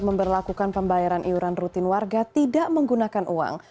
memperlakukan pembayaran iuran rutin warga tidak menggunakan uang